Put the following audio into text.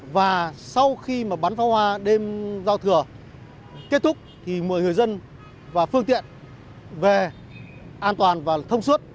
và sau khi mà bắn pháo hoa đêm giao thừa kết thúc thì mời người dân và phương tiện về an toàn và thông suốt